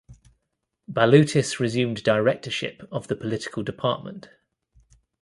Balutis resumed directorship of the Political Department.